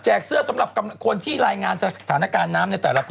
เสื้อสำหรับคนที่รายงานสถานการณ์น้ำในแต่ละปี